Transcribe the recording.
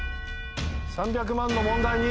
３００万の問題に。